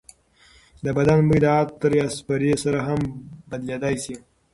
د بدن بوی د عطر یا سپرې سره هم بدلېدای شي.